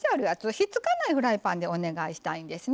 ひっつかないフライパンでお願いしたいんですね。